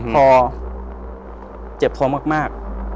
พอเจ็บท้องมาก